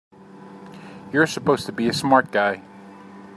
You're supposed to be a smart guy!